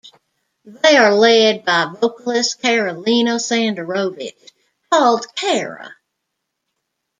They are led by vocalist Keralino Sandorovich, called Kera.